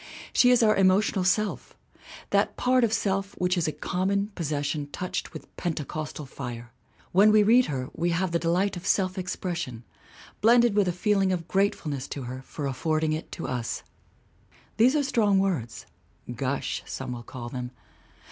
She is our emotional self that part of self which is a common possession touched with pente costal fire. When we read her we have the delight of self expression blended with a feeling of grateful ness to her for affording it to us. These are strong words. Gush, some will call them.